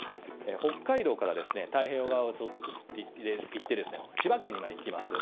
北海道から太平洋側を行って、千葉県に行きます。